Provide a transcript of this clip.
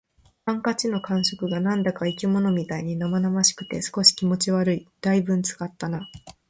ハンカチの感触が何だか生き物みたいに生々しくて、少し気持ち悪い。「大分使ったな」